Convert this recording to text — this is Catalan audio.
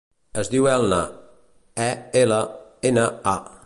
Es diu Elna: e, ela, ena, a.